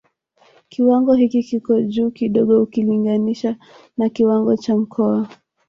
Kiwango hiki kiko juu kidogo ukilinginisha na kiwango cha Mkoa